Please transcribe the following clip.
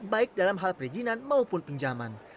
baik dalam hal perizinan maupun pinjaman